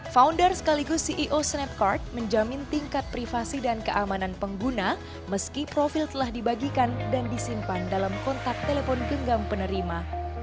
founder sekaligus ceo snapcard menjamin tingkat privasi dan keamanan pengguna meski profil telah dibagikan dan disimpan dalam kontak telepon genggam penerima